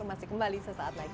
masih kembali sesaat lagi